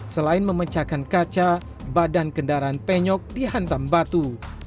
selain memecahkan kaca badan kendaraan penyok dihantam batu